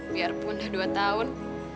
biarpun udah dua tahun